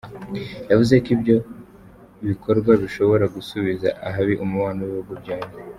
Yavuze ko ibyo bikorwa bishobora gusubiza ahabi umubano w’ibihugu byombi.